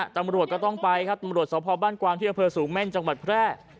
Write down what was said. ตำรวจก็ต้องไปครับตำรวจสพบ้านกวางที่อำเภอสูงเม่นจังหวัดแพร่